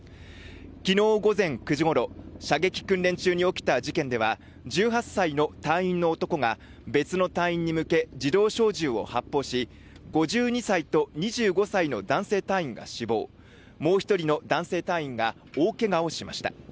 昨日午前９時ごろ射撃訓練中に起きた事件では１８歳の隊員の男が別の隊員に向け自動小銃を発砲し５２歳と２５歳の男性隊員が死亡もう１人の男性隊員が大ケガをしました。